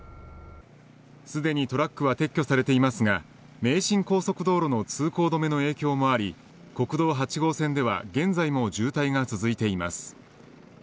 すでにトラックは撤去されていますが名神高速道路の通行止めの影響もあり国道８号線では現在も渋滞が続いています。